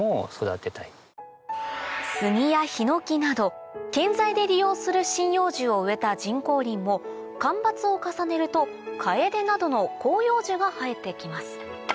スギやヒノキなど建材で利用する針葉樹を植えた人工林を間伐を重ねるとカエデなどの広葉樹が生えて来ます